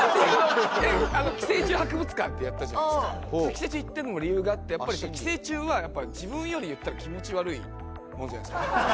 寄生虫行ってるのも理由があってやっぱり寄生虫は自分より言ったら気持ち悪いものじゃないですか。